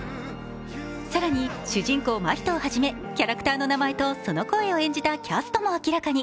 更に主人公眞人をはじめキャラクターの名前とその声を演じたキャストも明らかに。